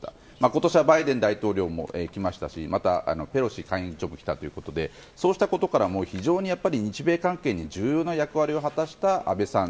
今年はバイデン大統領も来ましたしまた、ペロシ下院議長も来たということでそうしたことからも日米関係に非常に重要な役割を果たした安倍さん。